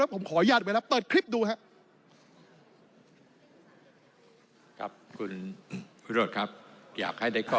ผมขออนุญาตไว้แล้วเปิดคลิปดูครับ